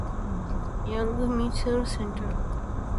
Young Municipal Center.